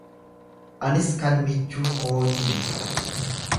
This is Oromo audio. Anis kan michuu kootii ti.